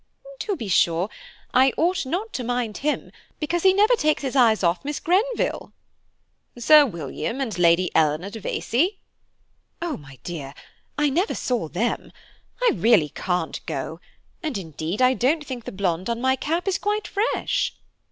"To be sure, I ought not to mind him, because he never takes his eyes off Miss Greenville." "Sir William and Lady Eleanor de Vescie." "Oh, my dear, I never saw them, I really can't go; and indeed, I don't think the blonde on my cap is quite fresh."